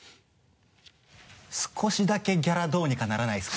「少しだけギャラどうにかならないですか？」